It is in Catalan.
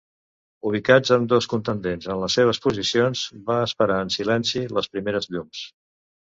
Ubicats ambdós contendents en les seves posicions, van esperar en silenci les primeres llums.